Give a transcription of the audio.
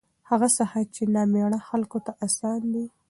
هغه څخه چې نامېړه خلکو ته اسان دي